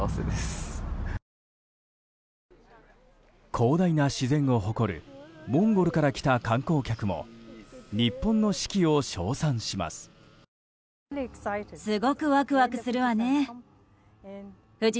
広大な自然を誇るモンゴルから来た観光客も日本の四季を称賛します。